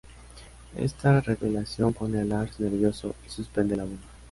Esta revelación pone a Lars nervioso, y suspende la boda.